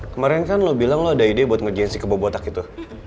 kemarin kan lo bilang lo ada ide buat ngerjain si kebo botak itu